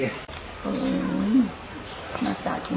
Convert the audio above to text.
อือมาจากนี่